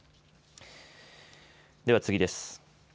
では次です。